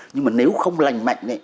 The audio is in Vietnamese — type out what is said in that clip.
nhưng mà nếu không lành mạnh